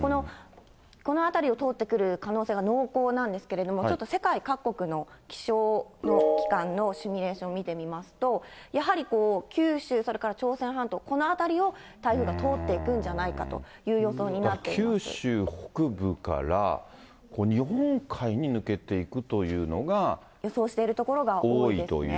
この辺りを通ってくる可能性が濃厚なんですけれども、ちょっと世界各国の気象機関のシミュレーション見てみますと、やはり九州、それから朝鮮半島、この辺りを台風が通っていくんじゃないかという予想になっていま九州北部から、予想している所が多いですね。